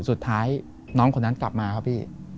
สุดท้ายน้องคนนั้นกลับมาครับพี่